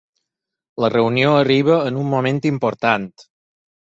La reunió arriba en un moment important.